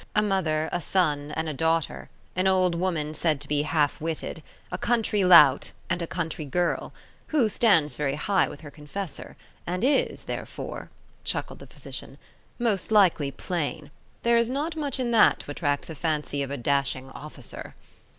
A mother, a son, and a daughter; an old woman said to be halfwitted, a country lout, and a country girl, who stands very high with her confessor, and is, therefore," chuckled the physician, "most likely plain; there is not much in that to attract the fancy of a dashing officer."